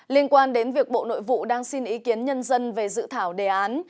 liên quan đến việc bộ nội vụ đang xin ý kiến nhân dân về dự thảo đề án